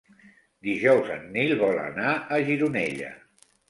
Dijous en Nil vol anar a Gironella.